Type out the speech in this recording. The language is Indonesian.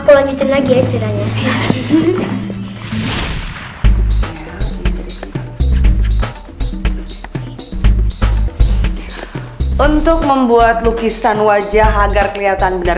oke aku lanjutin lagi ya ceritanya